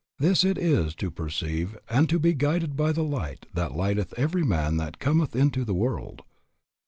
This it is to perceive and to be guided by the light that lighteth every man that cometh into the world.